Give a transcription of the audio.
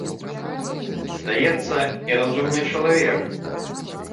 Здаецца, і разумны чалавек!